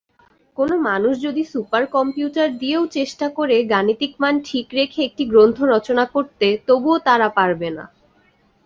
কোন মানুষ যদি সুপার কম্পিউটার দিয়েও চেষ্টা করে গাণিতিক মান ঠিক রেখে একটি গ্রন্থ রচনা করতে, তবুও তারা পারবে না।